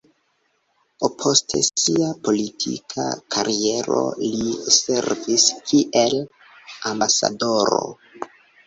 Post sia politika kariero li servis kiel ambasadoro.